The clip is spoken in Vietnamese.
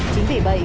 chính vì vậy